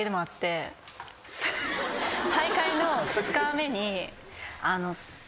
大会の２日目に。